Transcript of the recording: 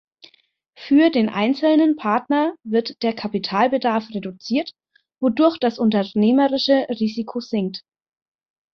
Für den einzelnen Partner wird der Kapitalbedarf reduziert, wodurch das unternehmerische Risiko sinkt.